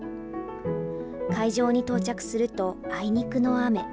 会場に到着するとあいにくの雨。